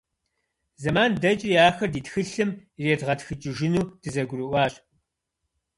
Зэман дэкӀри, ахэр ди тхылъым иредгъэтхыкӀыжыну дызэгурыӀуащ.